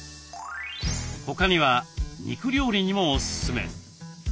他には肉料理にもおすすめ。